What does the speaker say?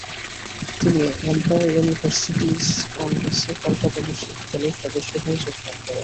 তিনি empire universities কংগ্রেসে কলকাতা বিশ্ববিদ্যালয়ের সদস্য হয়ে যোগদান করেন।